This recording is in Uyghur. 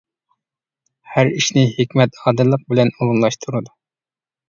ھەر ئىشنى ھېكمەت، ئادىللىق بىلەن ئورۇنلاشتۇرىدۇ.